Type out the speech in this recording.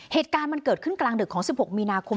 เหตุการณ์มันเกิดขึ้นกลางดึกของ๑๖มีนาคม